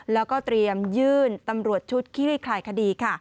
แล้วก็เตรียมยื่นตำรวจชุดคลี่คลายคดีค่ะ